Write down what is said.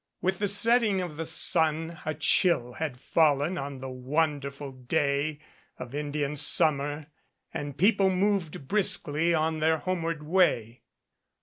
With the setting of the sun a chill had fallen on the wonderful day of In dian summer and people moved briskly on their homeward way.